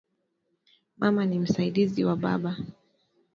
Mama ni msaidizi wa baba